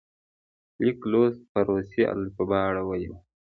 لیک لوست په روسي الفبا اړولی وو.